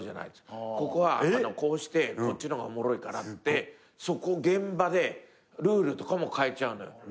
「ここはこうしてこっちの方がおもろいから」って現場でルールとかも変えちゃうのよ。